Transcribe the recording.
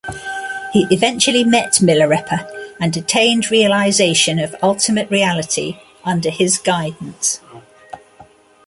He eventually met Milarepa and attained realization of ultimate reality under his guidance.